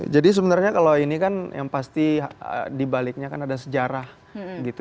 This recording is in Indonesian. jadi sebenarnya kalau ini kan yang pasti dibaliknya kan ada sejarah gitu